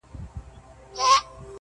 • راڅخه زړه وړي رانه ساه وړي څوك.